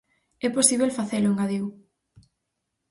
É posíbel facelo, engadiu.